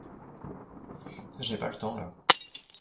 Je n’ai pas le temps là.